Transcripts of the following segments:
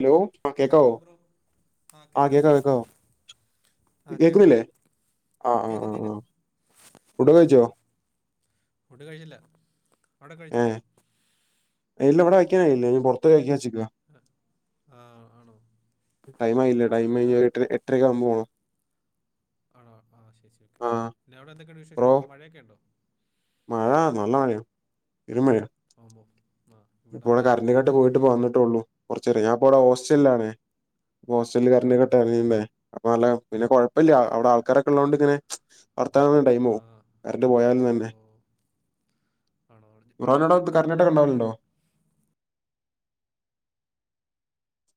Hello ആ കേക്കാവോ hello bro ആഹ് ആ കേൾക്കാം കേക്കാ ബ്രോ കേക്കാവോ ആഹ് കേക്കാം, കേക്കുന്നില്ലേ ആ ആ ആ കേക്കാം, ആ കേക്കാം ഫുഡൊക്കെ ആഹ് കഴിച്ചോ ഫുഡ് കഴിച്ചില്ല, അവിടെ ഏ കഴിച്ചോ? ഇല്ല ഇവിടെയ്ക്കാനായില്ല ഇനി പുറത്ത് പോവാ കഴിക്കാന്നെച്ചേക്കുവാ ആ, ആ ആണോ ടൈം ആയില്ല, ആ, ടൈം പിന്നെ കഴിഞ്ഞ അവിടെ എട്ടര എട്ടരക്കെ ആവുമ്പോ പോണം ആണോ ആഹ് ശരി, ഓക്കെ ആ പിന്നെ അവിടെ എന്തൊക്കെണ്ട് വിശേഷം ബ്രോ മഴയൊക്കെണ്ടോ? മഴ നല്ല മഴയാ പെരുംമഴയാ ആവുമ്പോ ഇപ്പോവ്ടെ കറണ്ട് കട്ട് പോയിട്ടിപ്പ വന്നിട്ടേള്ളൂ കുറച്ചേരായി ഞാൻപ്പ ഇവിടെ ഹോസ്റ്റലിലാണ് ഹോസ്റ്റല് ആ [unintelligible] അപ്പൊ നല്ല പിന്നെ കുഴപ്പില്ല അവിടെ ആൾക്കാരൊക്കെ ഉള്ളതു കൊണ്ടിങ്ങനെ വർത്താനം പറഞ്ഞ് ആ ടൈമ് പോം കറണ്ട് പോയാലും തന്നെ ഓ ആണോ [unintelligible] ന്റോടെ കറണ്ട് ജനറേറ്റർ കട്ടൊക്കെ ഒന്നുമില്ല ഇണ്ടാവലുണ്ടോ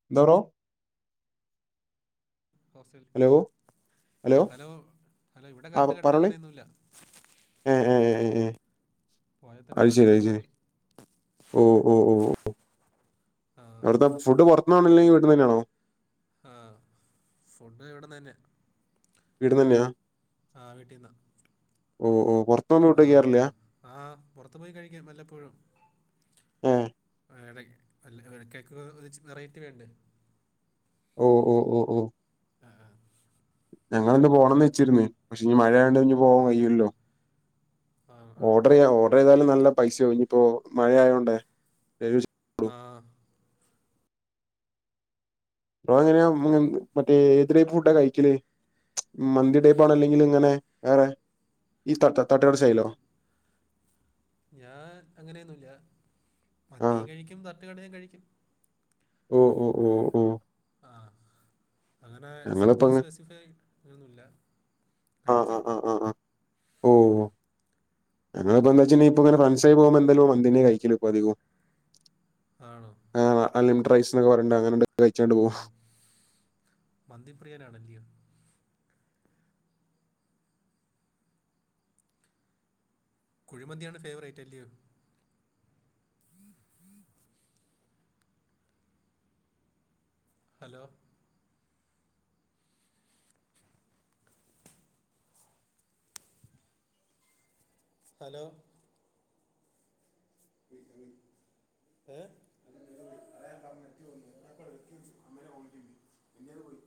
എന്താ ബ്രോ ഹോസ്റ്റൽ ഹലോ ഹലോ അല്ല ഇവിടെ ആ കറണ്ട് പറഞ്ഞോളി കട്ടങ്ങനെയൊന്നുല്ല ഏ ഏ ഏ ഏ പോയ തന്നെ പെട്ടെന്നൊക്കെ വരും ഓഹ് ഓഹ് ഓഹ് ആ അവിടുത്തെ ഫുഡ് പൊറത്ത്ന്നാണോ അല്ലെങ്കി വീട്ട്ന്ന്തന്നേണോ? ആഹ് ഫുഡ് ഇവടന്ന്ന്നെയാ ഇവിട്ന്നന്നെയാ ഓഹ് ഓഹ് പൊറ ആഹ്, ആഹ് ആ പൊറത്തു പോയി കഴിക്കും വല്ലപ്പോഴും ഏഹ്. അ ഇടക് അല്ല ഇടക്കൊക്കെ കൊറച്ചു വെറേറ്റി വേണ്ടെ ഓഹ് ഓഓഓഹ് അഹ് ആഹ് ഞങ്ങിളിന്ന് പോണന്ന് വച്ചിരുന്ന് പക്ഷേ ഇഞ്ഞി മഴായോണ്ട് ഇഞ് ആ പോവാൻ ആ കയ്യൂലല്ലോ, ആ, ആണോ ഓഡറയ്യ, ആ ഓഡറയ്താലും നല്ല പൈസാവുഞ്ഞിപ്പോ മഴയായോണ്ടേ [unintelligible] ആഹ് എങ്ങനെയാ [unintelligible] മറ്റേ ഏത് ടൈപ്പ് ഫുഡാ കയിക്കല്, മന്തി ടൈപ്പാണ അല്ലെങ്കിൽ ഇങ്ങനെ വേറെ ഈ തട്ട തട്ട്കട സ്റ്റൈലോ? ഞ- ഞാൻ അങ്ങനെയൊന്നുല്ല ആഹ്. മന്തിയും കഴിക്കും ത തട്ട്കടയും കഴിക്കും ഓ ഓ ഓ ഓ ആഹ് അങ്ങനെ സ് ഞങ്ങളിപ്പോ ഇത് അങ്ങ് സ്പെസിഫൈ അങ്ങനെന്നുല്ല ആഹ് കഴിക്കും ആഹ് ആഹ് ആഹ് ആഹ്. ഓ ഞങ്ങളിപ്പോ എന്താച്ചണ്ടെങ്കി ഇപ്പോങ്ങനെ ഫ്രൻസായി പോവുമ്പൊ എന്തായലും മന്തിയെന്നെ കയ്ക്കല് ഇപ്പധികം ആണോ ആഹ് അൺലിമിറ്ററൈസ്ന്നൊക്കെ പറഞ്ഞിട്ട് അങ്ങനണ്ട് മ്മ് മന്തി പ്രിയനാണല്ല്യൊ കുഴിമന്തിയാണ് ഫേവറേറ്റ് അല്യോ ഹലോ ഹലോ [unintelligible] ഏഹ് മിഞ്ഞാന്ന് പോയി..